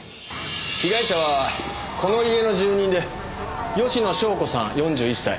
被害者はこの家の住人で吉野湘子さん４１歳。